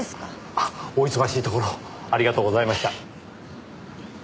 あっお忙しいところありがとうございました。